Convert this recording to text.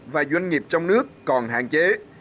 và doanh nghiệp trong nước còn hạn chế